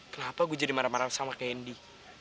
kenapa gue jadi marah marah sama kendi